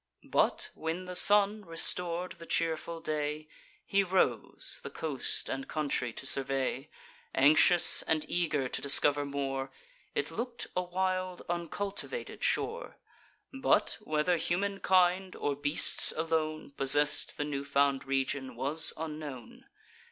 But, when the sun restor'd the cheerful day, He rose, the coast and country to survey, Anxious and eager to discover more. It look'd a wild uncultivated shore; But, whether humankind, or beasts alone Possess'd the new found region, was unknown.